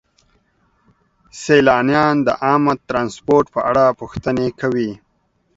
سیلانیان د عامه ترانسپورت په اړه پوښتنې کوي.